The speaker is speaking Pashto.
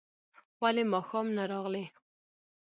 ولي ماښام نه راغلې؟